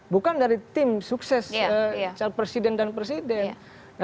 bukan dari tim sukses presiden dan presiden